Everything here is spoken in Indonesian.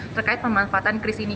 terkait pemanfaatan kris ini